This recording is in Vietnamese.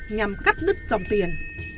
nhằm cắt đứt dòng tiền